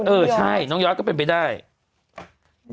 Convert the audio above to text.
เออใช่น้องยอดก็เป็นไปได้